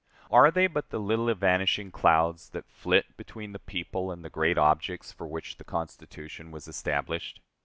Are they but the little evanishing clouds that flit between the people and the great objects for which the Constitution was established?